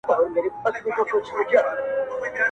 هغو زموږ په مټو یووړ تر منزله,